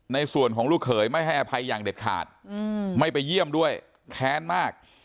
ในส่วนของลูกเขยไม่ให้อภัยอย่างเด็ดขาดไม่ไปเยี่ยมด้วยแค้นมาก